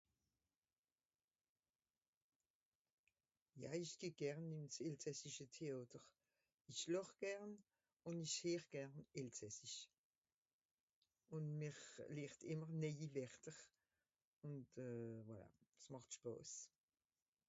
Ja ìch geh gern ìn s'Elsassische Téàter. Ìch làch gern ùn ìch heer gern Elsassisch. Ùn mìr lehrt ìmmer néii Wérter. Ùnd euh... voilà, es màcht spàs.